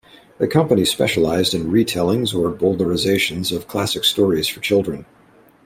The company specialized in retellings or bowdlerizations of classic stories for children.